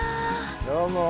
どうも。